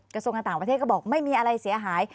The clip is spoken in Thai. กระทรวงการต่างประเทศก็บอกไม่มีอะไรเสียหาย